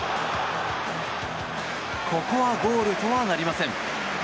ここはゴールとはなりません。